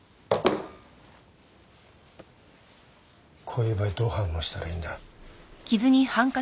こういう場合どう反応したらいいんだ？